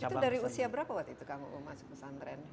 itu dari usia berapa waktu itu kang uu masuk pesantren